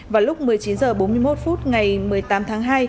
vào lúc một mươi chín h bốn mươi một phút ngày một mươi tám tháng hai